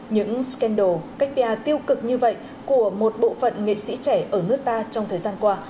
những scandal cáchia tiêu cực như vậy của một bộ phận nghệ sĩ trẻ ở nước ta trong thời gian qua